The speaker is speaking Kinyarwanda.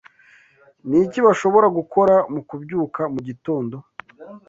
Niki bashobora gukora mukubyuka mugitondo